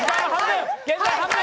現在半分。